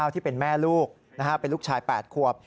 ที่เป็นแม่ลูกเป็นลูกชาย๘ขวบ